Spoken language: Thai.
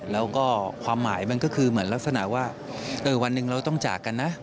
แล้วก็ความหมายมันก็คือเหมือนลักษณะว่าวันหนึ่งเราต้องจากกันนะ